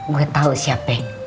gue tau siapa